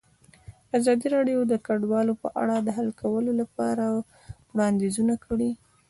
ازادي راډیو د کډوال په اړه د حل کولو لپاره وړاندیزونه کړي.